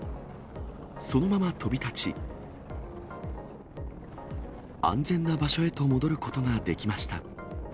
そのまま飛び立ち、安全な場所へと戻ることができました。